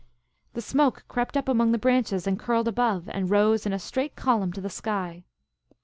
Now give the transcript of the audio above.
The smoke crept up among the branches and curled above, and rose in a straight column to the sky.